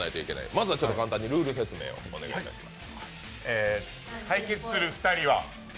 まずはルール説明お願いします。